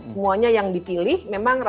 semuanya yang dibuat oleh asn dan asn nya